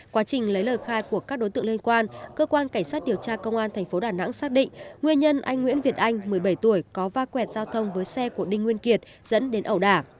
quá trình lấy lời khai của các đối tượng liên quan cơ quan cảnh sát điều tra công an tp đà nẵng xác định nguyên nhân anh nguyễn việt anh một mươi bảy tuổi có va quẹt giao thông với xe của đinh nguyên kiệt dẫn đến ẩu đả